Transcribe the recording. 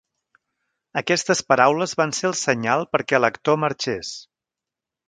Aquestes paraules van ser el senyal perquè l'actor marxés.